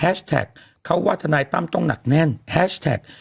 เขาว่าทนายตั้มต้องหนักแน่นแฮชแท็ก